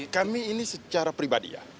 kami ini secara pribadi ya